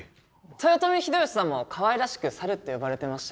豊臣秀吉さんもかわいらしくサルって呼ばれてましたけど。